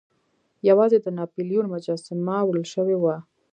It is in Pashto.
یوازې د ناپلیون مجسمه وړل شوې وه.